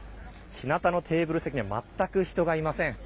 日なたのテーブル席には全く人がいません。